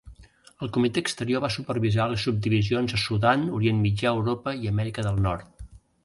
El comitè exterior va supervisar les subdivisions a Sudan, Orient Mitjà, Europa i Amèrica del Nord.